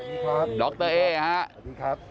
สวัสดีครับ